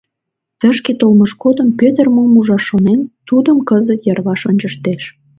Тышке толмыж годым Пӧтыр мом ужаш шонен, тудым кызыт йырваш ончыштеш.